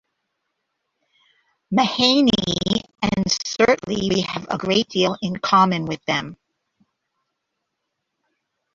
Mahaney and certainly we have a great deal in common with them.